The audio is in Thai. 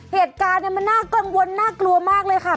เหตุการณ์มันน่ากังวลน่ากลัวมากเลยค่ะ